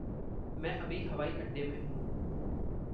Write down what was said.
मैं अभी हवाईअड्डे में हूँ।